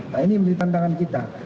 nah ini menjadi tantangan kita